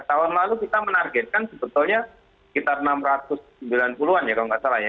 tahun lalu kita menargetkan sebetulnya sekitar enam ratus sembilan puluh an ya kalau nggak salah ya